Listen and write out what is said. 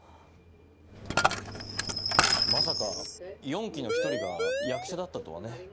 まさか四鬼の一人が役者だったとはね。